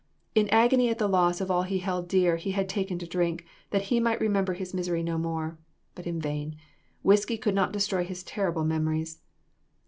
In agony at the loss of all he held dear, he had taken to drink, that he might remember his misery no more; but in vain: whisky could not destroy his terrible memories.